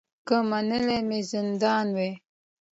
که منلی مي زندان وای